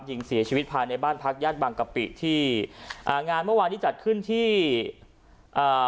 ยิงเสียชีวิตภายในบ้านพักย่านบางกะปิที่อ่างานเมื่อวานที่จัดขึ้นที่อ่า